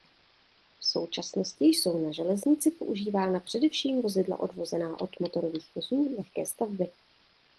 V současnosti jsou na železnici používána především vozidla odvozená od motorových vozů lehké stavby.